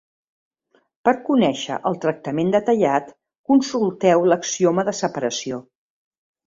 Per conèixer el tractament detallat, consulteu l'axioma de separació.